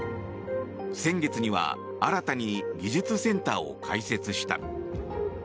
先月には新たに技術センターを開設した。